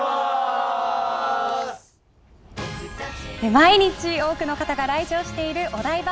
毎日多くの方が来場しているお台場